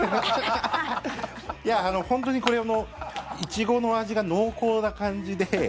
いや、本当にこれイチゴの味が濃厚な感じで。